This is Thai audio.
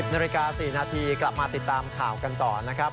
นาฬิกา๔นาทีกลับมาติดตามข่าวกันต่อนะครับ